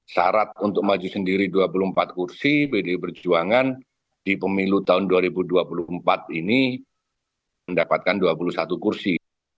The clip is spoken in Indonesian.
syarat untuk maju sendiri dua puluh empat kursi pdi perjuangan di pemilu tahun dua ribu dua puluh empat ini mendapatkan dua puluh satu kursi